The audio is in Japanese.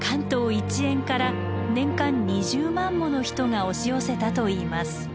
一円から年間２０万もの人が押し寄せたといいます。